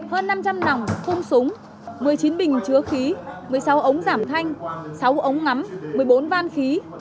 hơn năm trăm linh nòng khung súng một mươi chín bình chứa khí một mươi sáu ống giảm thanh sáu ống ngắm một mươi bốn van khí